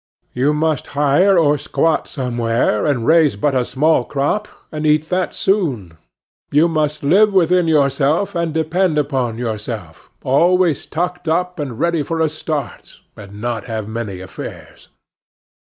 You must hire or squat somewhere, and raise but a small crop, and eat that soon. You must live within yourself, and depend upon yourself, always tucked up and ready for a start, and not have many affairs.